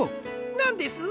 なんです？